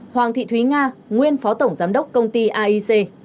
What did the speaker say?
ba hoàng thị thúy nga nguyên phó tổng giám đốc công ty aic